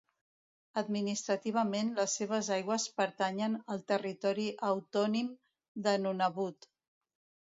Administrativament les seves aigües pertanyen al territori autònim de Nunavut.